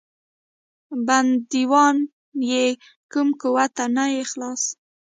بندیوان یې کم قوته نه یې خلاص.